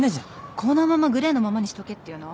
このままグレーのままにしとけっていうの？